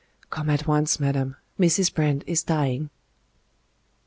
"Come at once, madam; Mrs. Brand is dying."